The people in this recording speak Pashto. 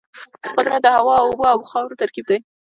قدرت د هوا، اوبو او خاورو ترکیب دی.